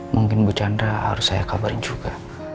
mungkin bu chandra harus saya kabarin juga